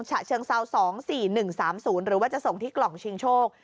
ฉะเชิงเซาสองสี่หนึ่งสามศูนย์หรือว่าจะส่งที่กล่องชิงโชค